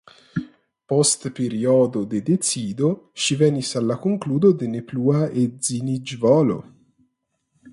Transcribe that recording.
Post periodo de decido ŝi venis al la konkludo de ne plua edziniĝvolo.